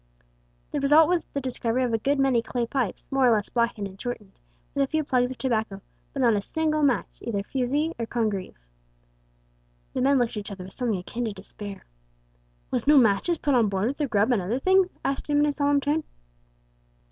The result was the discovery of a good many clay pipes, more or less blackened and shortened, with a few plugs of tobacco, but not a single match, either fusee or congreve. The men looked at each other with something akin to despair. "Was no matches putt on board wi' the grub an' other things?" asked Jim in a solemn tone.